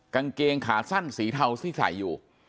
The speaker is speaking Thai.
กางเกงขาสั้นสีเทาที่ใส่อยู่